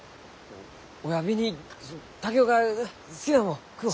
おわびに竹雄が好きなもん食おう。